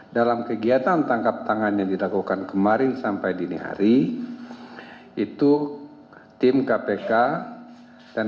dalam kegiatan tangkap tangan yang dilakukan kemarin sampai dini hari itu tim kpk dan